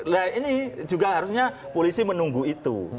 nah ini juga harusnya polisi menunggu itu